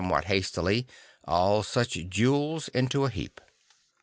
what hastily, all such jewels into a heap.